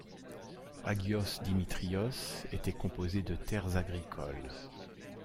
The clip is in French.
Ágios Dimítrios était composée de terres agricoles.